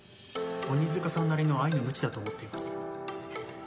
鬼塚さんなりの愛のむちだと思っています。